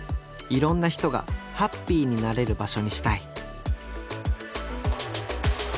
いろんな人がハッピーになれる場所にしたい！